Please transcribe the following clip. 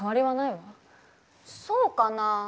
そうかな。